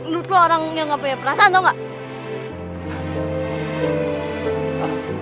lu tuh orang yang gak punya perasaan tau gak